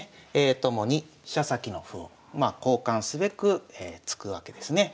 ともに飛車先の歩を交換すべく突くわけですね。